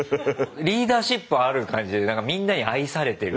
リーダーシップある感じで何かみんなに愛されてる。